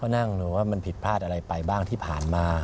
นั่งดูว่ามันผิดพลาดอะไรไปบ้างที่ผ่านมา